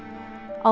allah akan berkati